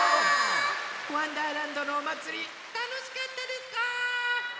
「わんだーらんど」のおまつりたのしかったですか？